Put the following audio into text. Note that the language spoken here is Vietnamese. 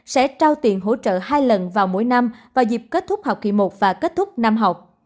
sẽ trao tiền hỗ trợ hai lần vào mỗi năm vào dịp kết thúc học kỳ một và kết thúc năm học